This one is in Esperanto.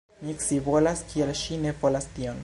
Mi scivolas kial ŝi ne volas tion!